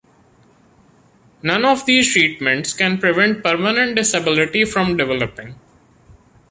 None of these treatments can prevent permanent disability from developing.